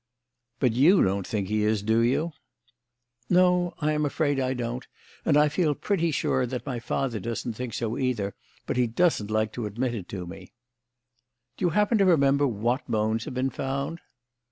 "But you don't think he is, do you?" "No, I am afraid I don't; and I feel pretty sure that my father doesn't think so either, but he doesn't like to admit it to me." "Do you happen to remember what bones have been found?"